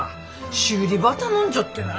修理ば頼んじょってな。